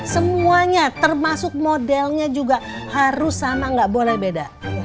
semuanya termasuk modelnya juga harus sama nggak boleh beda